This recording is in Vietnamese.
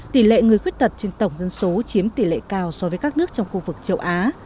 tỷ lệ người khuyết tật trên tổng dân số chiếm tỷ lệ cao so với các nước trong khu vực châu á